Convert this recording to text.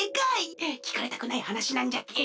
きかれたくないはなしなんじゃけえ。